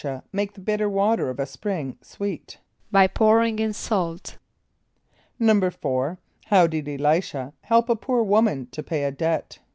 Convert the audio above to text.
a] make the bitter water of a spring sweet? =By pouring in salt.= =4.= How did [+E] l[=i]´sh[.a] help a poor woman to pay a debt?